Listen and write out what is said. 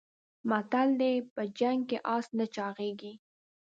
متل دی: په جنګ کې اس نه چاغېږي.